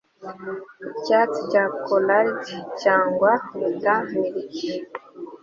icyatsi cya collard cyangwa buta miriki